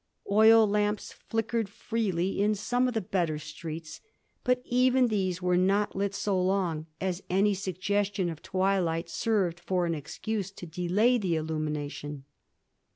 Oil lamps ffickered freely in some of the better streets, but even these were not lit so long as any suggestion of twilight served for an excuse to delay the illumina tion.